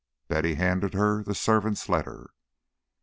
Betty handed her the servant's letter.